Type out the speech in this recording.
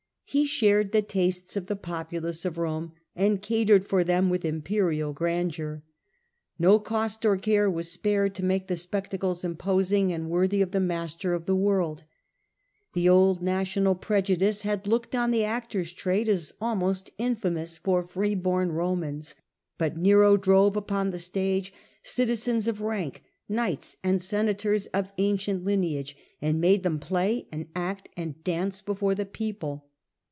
He shared the tastes of the populace of Rome, and catered for them with imperial grandeur. No cost or care was spared to make the spectacles imposing and worthy of the master of the world. The old national ^^ prejudice had looked on the actoi^'s trade as born Romans almost infamous for freeborn Romans; but on the stage, ^cro drovc upon the stage citizens of rank, knights and senators of ancient lineage, and made them play and act and dance before the people.